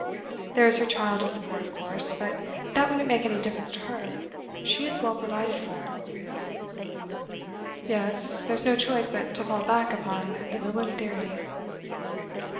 There is her child to support, of course, but that wouldn't make any difference to her; she is well provided for.' 'Yes. There's no choice but to fall back upon the villain theory.